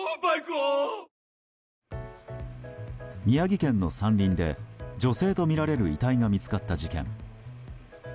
宮城県の山林で女性とみられる遺体が見つかった事件。